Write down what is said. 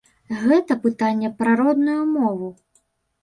Гэта пытанне пра родную мову.